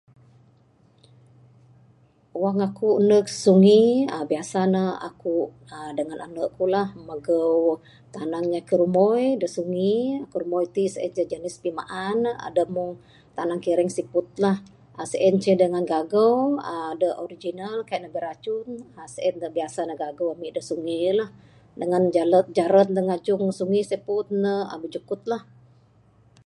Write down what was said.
Wong ekuk ndeg sungi, uhh biasa ne ekuk uhh dengan endek kuk lah, megau tanang inya kerumboi, de sungi, kerumboi tik sien ce jenis pimaan, edep mung tanang kireng siput lah, uhh sien ce de gagau, uhh de original, kaik ne beracun uhh sien de biasa gagau emik de sungi en lah, dengan jalok jeran de ngejung sungi sien pun ne, uhh bijukut lah.